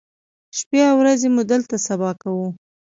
شپې او ورځې مو دلته سبا کوو.